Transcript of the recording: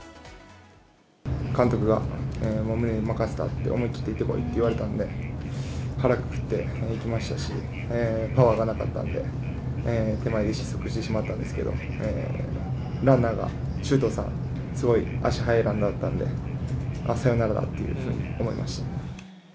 監督がもうムネに任せたって、思い切って行ってこいって言われたんで、腹くくっていきましたし、パワーがなかったんで、手前で失速してしまったんですけど、ランナーが周東さん、すごい足速いランナーだったんで、サヨナラだっていうふうに思いました。